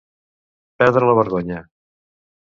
Perdre la vergonya.